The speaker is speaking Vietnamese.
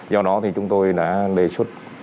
do đó thì chúng tôi đã đề xuất